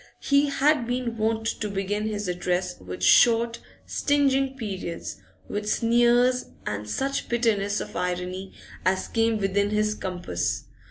He had been wont to begin his address with short, stinging periods, with sneers and such bitterness of irony as came within his compass.